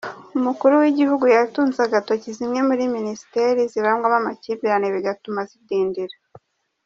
Umukuru w’Igihugu yatunze agatoki zimwe muri minisiteri zirangwamo amakimbirane bigatuma zidindira.